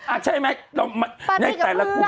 ใช่ไหมในแต่ละกลุ่ม